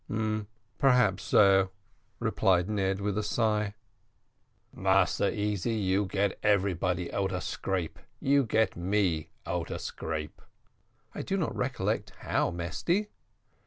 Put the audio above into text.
"Perhaps so," replied Ned, with a sigh. "Massa Easy, you get eberybody out of scrape; you get me out of scrape." "I do not recollect how, Mesty."